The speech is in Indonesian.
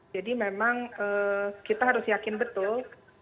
jadi memang kita harus yakin betul kalau memang melakukan ini